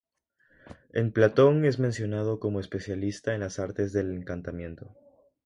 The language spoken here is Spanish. En Platón es mencionado como especialista en las artes del encantamiento.